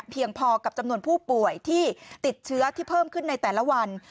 พอกับจำนวนผู้ป่วยที่ติดเชื้อที่เพิ่มขึ้นในแต่ละวัน